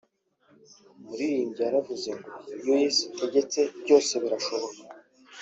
umuririmbyi yaravuze ngo iyo Yesu ategetse byose birashoboka